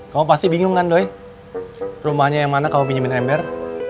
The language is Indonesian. kamu pasti bingung kan doy rumahnya yang mana kamu pinjamin ember